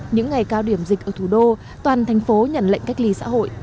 những ngày cao điểm dịch ở thủ đô toàn thành phố nhận lệnh cách ly xã hội